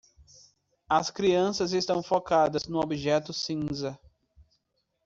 As crianças estão focadas no objeto cinza.